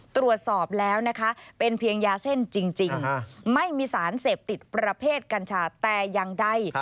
ตรวจสอบแล้วนะคะเป็นเพียงยาเส้นจริงไม่มีสารเสพติดประเภทกัญชาแต่อย่างใด